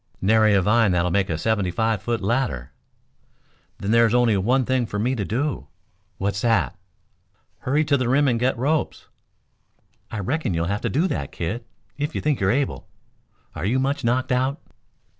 "Nary a vine that'll make a seventy five foot ladder." "Then there is only one thing for me to do." "What's that?" "Hurry to the rim and get ropes." "I reckon you'll have to do that, kid, if you think you're able. Are you much knocked out?"